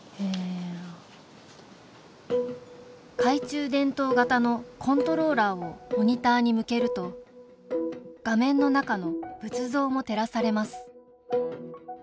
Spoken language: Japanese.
懐中電灯型のコントローラーをモニターに向けると画面の中の仏像も照らされます。